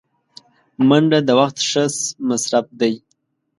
منډه د وخت ښه مصرف دی